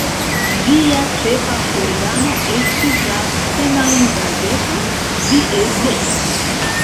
Ĝia ĉefa organo estis la semajngazeto "Die Zeit".